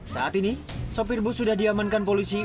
saat ini sopir bus sudah diamankan polisi